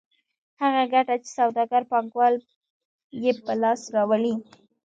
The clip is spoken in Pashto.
هغه ګټه چې سوداګر پانګوال یې په لاس راوړي